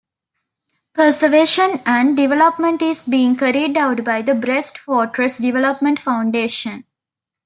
Preservation and development is being carried out by the Brest Fortress Development Foundation.